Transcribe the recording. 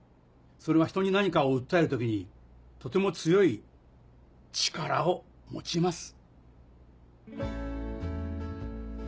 それはひとに何かを訴える時にとても強い力を持ちます。